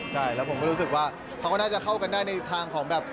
ใช่แล้วผมก็รู้สึกว่าเขาก็น่าจะเข้ากันได้ในทางของแบบ